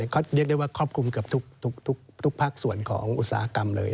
ก็ได้เรียกว่าครอบครุมกับทุกภักดิ์ส่วนของอุตสาหกรรมเลย